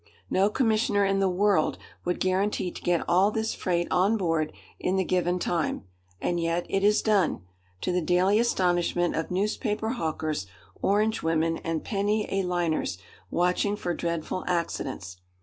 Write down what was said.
No commissioner in the world would guarantee to get all this freight on board in the given time, and yet it is done, to the daily astonishment of newspaper hawkers, orange women, and penny a liners watching for dreadful accidents.